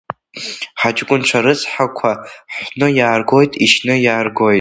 Ҳаҷкәынцәа рыцҳақәа хәны иааргоит, ишьны иааргоит…